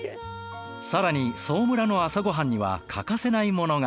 更にソー村の朝ごはんには欠かせないものが。